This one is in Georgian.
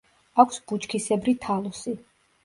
აქვს ბუჩქისებრი თალუსი.